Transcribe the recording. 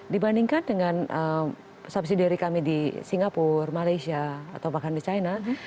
dibandingkan dengan subsidi dari kami di singapura malaysia atau bahkan di china